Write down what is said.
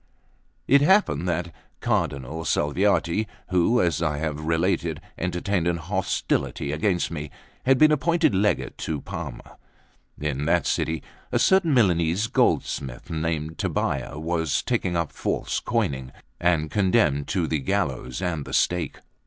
LX IT happened that Cardinal Salviati, who, as I have related, entertained an old hostility against me, had been appointed Legate to Parma. In that city a certain Milanese goldsmith, named Tobbia, was taken up for false coining, and condemned to the gallows and the stake.